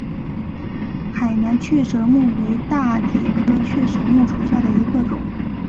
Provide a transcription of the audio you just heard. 海南雀舌木为大戟科雀舌木属下的一个种。